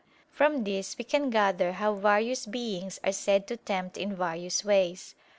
From this we can gather how various beings are said to tempt in various ways.